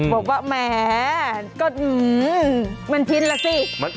บอกว่าแหมก็มันทิ้นแล้วสิ